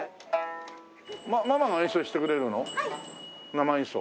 生演奏？